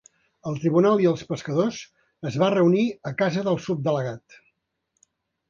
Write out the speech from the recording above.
El tribunal i els pescadors es va reunir a casa del Subdelegat.